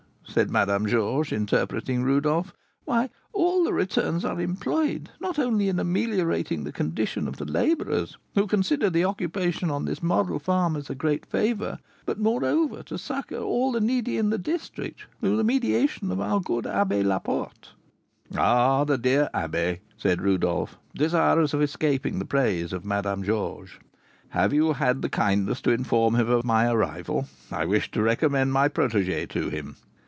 said Madame Georges, interrupting Rodolph; "why, all the returns are employed, not only in ameliorating the condition of the labourers, who consider the occupation on this model farm as a great favour, but, moreover, to succour all the needy in the district; through the mediation of our good Abbé Laporte " "Ah, the dear abbé!" said Rodolph, desirous of escaping the praise of Madame Georges; "have you had the kindness to inform him of my arrival? I wish to recommend my protégée to him.